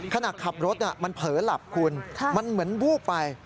ขณะขับรถมันเผลอหลับคุณมันเหมือนวูบไป